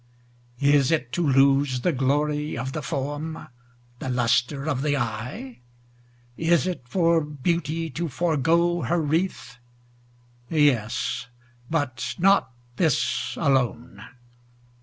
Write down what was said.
Is it to lose the glory of the form, The lustre of the eye? Is it for beauty to forego her wreath? Yes, but not this alone.